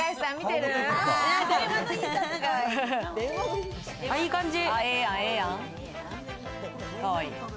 いい感じ。